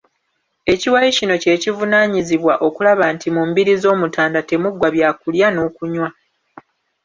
Ekiwayi kino kye kivunaanyizibwa okulaba nti mu mbiri z’Omutanda temuggwa byakulya n’okunywa.